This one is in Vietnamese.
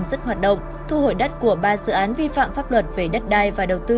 dứt hoạt động thu hồi đất của ba dự án vi phạm pháp luật về đất đai và đầu tư